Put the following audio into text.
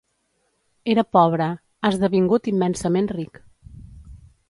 Era pobre: ha esdevingut immensament ric.